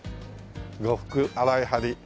呉服洗い張り。